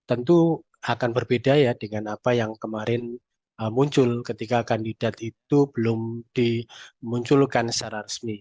tentu akan berbeda ya dengan apa yang kemarin muncul ketika kandidat itu belum dimunculkan secara resmi